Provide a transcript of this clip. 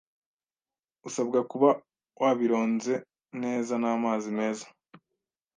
usabwa kuba wabironze neza n’amazi meza